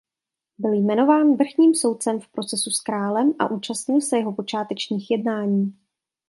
Byl jmenován vrchním soudcem v procesu s králem a účastnil se jeho počátečních jednání.